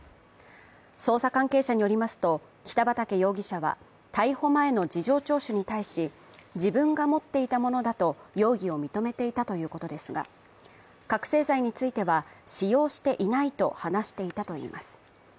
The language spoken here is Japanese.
捜査関係者によりますと北畠容疑者は逮捕前の事情聴取に対し自分が持っていたものだと容疑を認めていたということですが、覚醒剤については使用していないと話していたといいます。